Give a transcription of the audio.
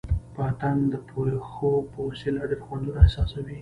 پتنګ د پښو په وسیله ډېر خوندونه احساسوي.